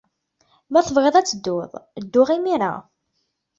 Ma tebɣiḍ ad tedduḍ, ddu imir-a!